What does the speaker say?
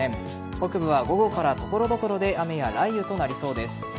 北部は午後から所々で雨や雷雨となりそうです。